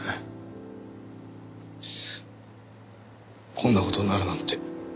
こんな事になるなんて。